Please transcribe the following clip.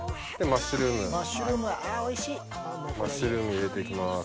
マッシュルーム入れて行きます。